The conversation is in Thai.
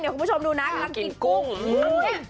เดี๋ยวคุณผู้ชมดูนะกลางกินกุ้ง